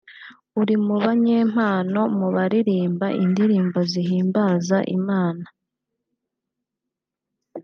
uri mu banyempano mu baririmba indirimbo zihimbaza Imana